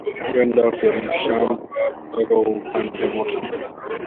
Kwenda ku mashamba paka upande moto